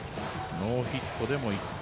ノーヒットでも１点。